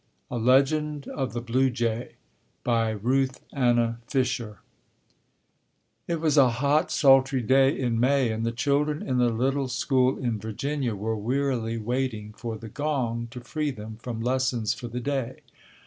A LEGEND OF THE BLUE JAY RUTH ANNA FISHER It was a hot, sultry day in May and the children in the little school in Virginia were wearily waiting for the gong to free them from lessons for the day.